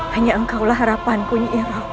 hanya engkau lah harapanku nyiro